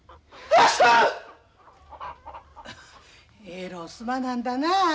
えろうすまなんだな。